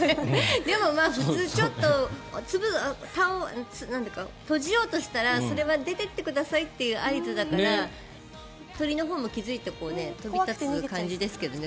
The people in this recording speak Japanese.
でも普通、閉じようとしたらそれは出ていってくださいという合図だから、鳥のほうも気付いて飛び立つ感じですけどね。